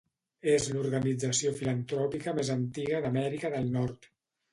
És l'organització filantròpica més antiga d'Amèrica del Nord.